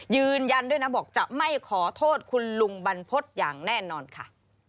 ยืนยันด้วยนะบอกจะไม่ขอโทษคุณลุงบรรพฤษอย่างแน่นอนค่ะ